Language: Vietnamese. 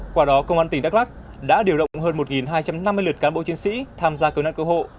quả đó công an tỉnh đắk lắc đã điều động hơn một hai trăm năm mươi lượt cán bộ chiến sĩ tham gia cầu nạn cầu hộ